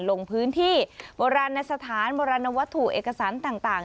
ลงพื้นที่โบราณสถานโบราณวัตถุเอกสารต่าง